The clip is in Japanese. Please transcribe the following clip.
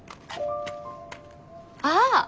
ああ！